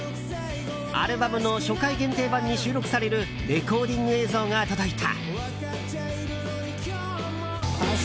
アルバムの初回限定盤に収録されるレコーディング映像が届いた。